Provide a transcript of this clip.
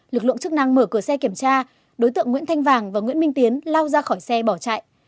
lực lượng chức năng mở cửa xe kiểm tra đối tượng nguyễn thanh vàng và nguyễn minh tiến lao ra khỏi xe bỏ chạy